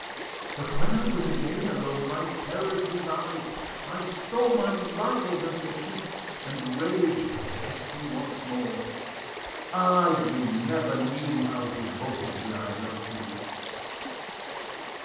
But when I was again alone my terrors revived, I saw my rivals at your feet, and rage possessed me once more. Ah! you never knew how devotedly I loved you."